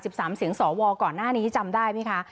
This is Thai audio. สามเสียงสวก่อนหน้านี้จำได้ไหมคะ